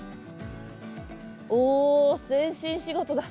お全身仕事だ。